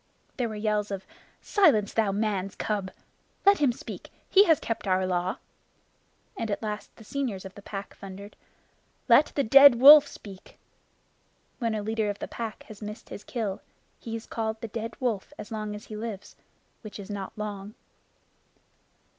There were yells of "Silence, thou man's cub!" "Let him speak. He has kept our Law"; and at last the seniors of the Pack thundered: "Let the Dead Wolf speak." When a leader of the Pack has missed his kill, he is called the Dead Wolf as long as he lives, which is not long.